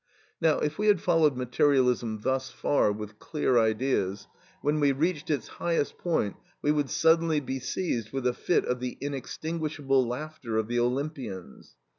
Now if we had followed materialism thus far with clear ideas, when we reached its highest point we would suddenly be seized with a fit of the inextinguishable laughter of the Olympians.